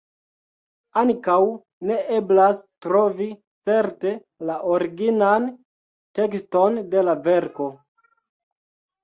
Ankaŭ ne eblas trovi certe la originan tekston de la verko.